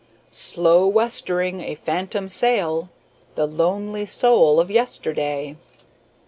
"Slow westering, a phantom sail The lonely soul of yesterday."